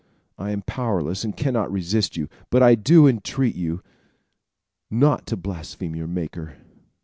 I am powerless and cannot resist you; but I do entreat you not to blaspheme your Maker."